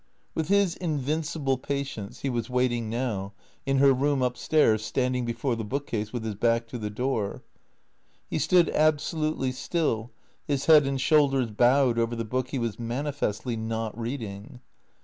With his invincible patience he was waiting now, in her room up stairs, standing before the bookcase with his back to the door. He stood absolutely still, his head and shoulders bowed over the book he was manifestly not reading.